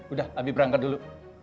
udah abi berangkat dulu